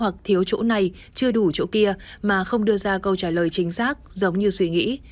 hoặc thiếu chỗ này chưa đủ chỗ kia mà không đưa ra câu trả lời chính xác giống như suy nghĩ